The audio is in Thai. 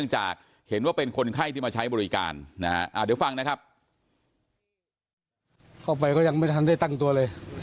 เห็นว่าเป็นคนไข้ที่มาใช้บริการ